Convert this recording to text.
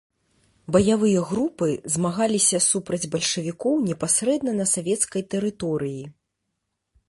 Баявыя групы змагаліся супраць бальшавікоў непасрэдна на савецкай тэрыторыі.